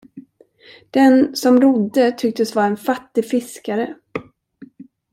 Den, som rodde, tycktes vara en fattig fiskare.